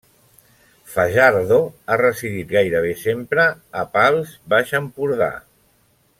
Fajardo ha residit gairebé sempre a Pals, Baix Empordà.